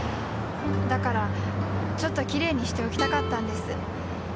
だからちょっときれいにしておきたかったんです。